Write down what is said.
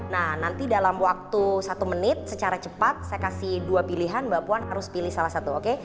nah nanti dalam waktu satu menit secara cepat saya kasih dua pilihan mbak puan harus pilih salah satu oke